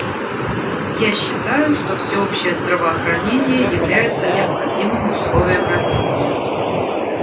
Я считаю, что всеобщее здравоохранение является необходимым условием развития.